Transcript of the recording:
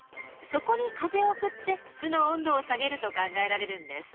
そこに風を送って巣の温度を下げると考えられるんです。